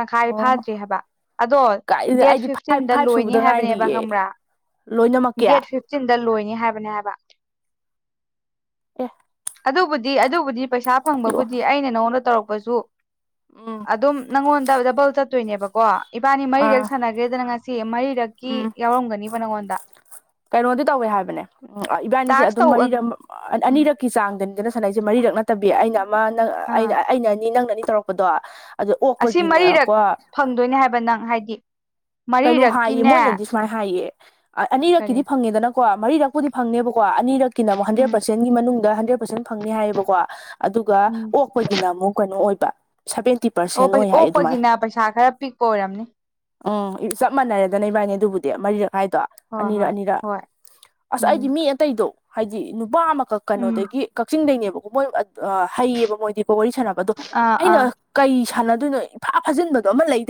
S2: ꯇꯪꯈꯥꯏ
S1: ꯑꯣ
S2: ꯐꯥꯗ꯭ꯔꯤ ꯍꯥꯏꯕ ꯑꯗꯣ
S1: ꯀꯥꯏꯗ
S2: ꯗꯦꯠ
S1: ꯑꯩꯗꯤ ꯐꯥꯏꯚ
S2: ꯐꯤꯐꯇꯤꯟꯗ
S1: ꯐꯥꯏꯚ ꯁꯨꯕꯗ
S2: ꯂꯣꯏꯅꯤ ꯍꯥꯏꯕꯅꯦꯕ
S1: ꯉꯥꯏꯔꯤꯌꯦ
S2: ꯈꯪꯕ꯭ꯔꯥ
S1: ꯂꯣꯏꯅꯃꯛꯀꯤ
S2: ꯇꯤꯟꯗ ꯂꯣꯏꯅꯤ ꯍꯥꯏꯕꯅꯦ ꯍꯥꯏꯕ
S1: ꯑꯦ
S2: ꯑꯗꯨꯕꯨꯗꯤ ꯑꯗꯨꯕꯨꯗꯤ ꯄꯩꯁꯥ ꯐꯪꯕꯕꯨꯗꯤ ꯑꯩꯅ ꯅꯉꯣꯟꯗ ꯇꯧꯔꯛꯄꯁꯨ
S1: ꯎꯝ
S2: ꯑꯗꯨꯝ ꯅꯪꯉꯣꯟꯗ ꯗꯕꯜ ꯆꯠꯇꯣꯏꯅꯦꯕꯀꯣ ꯏꯕꯥꯅꯤ ꯃꯔꯤꯔꯛ
S1: ꯑꯥ
S2: ꯁꯥꯟꯅꯒꯦ ꯒ꯭ꯔꯦꯗꯅ ꯉꯁꯤ ꯃꯔꯤꯔꯛꯀꯤ
S1: ꯎꯝ
S2: ꯌꯥꯎꯔꯝꯒꯅꯤꯕ ꯅꯪꯉꯣꯟꯗ
S1: ꯀꯩꯅꯣꯗꯤ ꯇꯧꯋꯦ ꯍꯥꯏꯕꯅꯦ ꯎ ꯏꯕꯥꯅꯤꯁꯦ
S2: ꯇꯥꯛꯁ
S1: ꯑꯗꯨꯝ
S2: ꯇꯧ
S1: ꯃꯔꯤꯔꯛ
S2: ꯎꯝ
S1: ꯑꯅꯤꯔꯛ ꯀꯤ ꯆꯥꯡꯗꯅꯤꯗꯅ ꯁꯥꯟꯅꯩꯖꯦ ꯃꯔꯤꯔꯛ ꯅꯠꯇꯕꯤ ꯑꯩꯅ ꯑꯃ ꯅꯪ ꯑꯩ
S2: ꯑꯥ
S1: ꯑꯩꯅ ꯑꯅꯤ ꯅꯪꯅ ꯑꯅꯤ ꯇꯧꯔꯛꯄꯗꯣ ꯑꯗꯨ
S2: ꯑꯁꯤ ꯃꯔꯤꯔꯛ
S1: ꯑꯣꯛꯄꯒꯤꯅꯀꯣ
S2: ꯐꯪꯗꯣꯏꯅꯦ ꯍꯥꯏꯕ ꯅꯪ ꯍꯥꯏꯗꯤ ꯃꯔꯤꯔꯛꯀꯤꯅꯦ
S1: ꯁꯨꯃꯥꯏ ꯍꯥꯏꯌꯦ
S2: ꯀꯔꯤ
S1: ꯑꯅꯤꯔꯛꯀꯤꯗꯤ ꯐꯪꯉꯦꯗꯅꯀꯣ ꯃꯔꯤꯔꯛꯄꯨꯗꯤ ꯐꯪꯅꯦꯕꯀꯣ ꯑꯅꯤꯔꯛꯀꯤꯅ ꯑꯃꯨꯛ ꯍꯟꯗ꯭ꯔꯦꯠ
S2: ꯎꯝ
S1: ꯄꯔꯁꯦꯟꯒꯤ ꯃꯅꯨꯡꯗ ꯍꯟꯗ꯭ꯔꯦꯠ ꯄꯔꯁꯦꯟ ꯐꯪꯅꯤ ꯍꯥꯏꯌꯦꯕꯀꯣ ꯑꯗꯨꯒ
S2: ꯎꯝ
S1: ꯑꯣꯛꯄꯒꯤꯅ ꯑꯃꯨꯛ ꯀꯩꯅꯣ ꯑꯣꯏꯕ ꯁꯚꯦꯟꯇꯤ
S2: ꯑꯣꯛ
S1: ꯄꯥꯔꯁꯦꯟ ꯑꯣꯏ ꯍꯥꯏ ꯑꯗꯨꯃꯥꯏꯅ
S2: ꯑꯣꯛꯄꯒꯤꯅ ꯄꯩꯁꯥ ꯈꯔ ꯄꯤꯛꯄ ꯑꯣꯏꯔꯝꯅꯤ
S1: ꯎꯝ ꯆꯥꯞ ꯃꯥꯟꯅꯔꯦꯗꯅ ꯏꯕꯥꯅꯤ ꯑꯗꯨꯕꯨꯗꯤ ꯃꯔꯤꯔꯛꯍꯥꯏꯗꯣ
S2: ꯍꯣꯏ
S1: ꯑꯅꯤꯔꯛ
S2: ꯍꯣꯏ
S1: ꯑꯅꯤꯔꯛ
S2: ꯍꯣꯏ
S1: ꯑꯁ ꯑꯩꯗꯤ
S2: ꯎꯝ
S1: ꯃꯤ ꯑꯇꯩꯗꯣ ꯍꯥꯏꯗꯤ ꯅꯨꯄꯥ ꯑꯃꯀꯛ ꯀꯩꯅꯣꯗꯒꯤ ꯀꯛꯆꯤꯡꯗꯩꯅꯦꯕꯀꯣ ꯃꯣꯏ ꯑꯥ ꯍꯩꯌꯦꯕ ꯃꯣꯏꯗꯤꯀꯣ ꯋꯥꯔꯤ ꯁꯥꯟꯅꯕ ꯑꯗꯣ
S2: ꯑꯥ ꯑꯥ
S1: ꯑꯩꯅ ꯀꯩ ꯁꯥꯟꯅꯗꯣꯏꯅꯣ ꯏꯐꯥ ꯐꯥꯖꯤꯟꯕꯗꯣ ꯑꯃ ꯂꯩꯗ